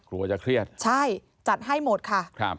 กลัวจะเครียดใช่จัดให้หมดค่ะ